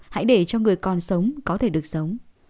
hãy để cho người còn sống có thể được sống